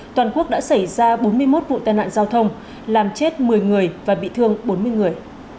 toàn quốc đã xảy ra bốn mươi một vụ tai nạn giao thông làm chết một mươi người và bị thương bốn mươi người